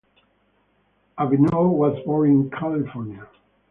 Avenell was born in California.